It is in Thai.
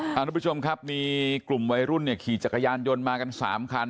คุณผู้ชมครับมีกลุ่มวัยรุ่นเนี่ยขี่จักรยานยนต์มากัน๓คัน